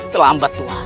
telah ambat tuhan